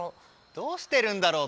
「どうしてるんだろう？」